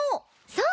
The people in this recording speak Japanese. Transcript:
そう。